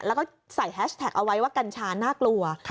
แล้วก็ใส่แฮชแท็กเอาไว้ว่ากัญชาน่ากลัว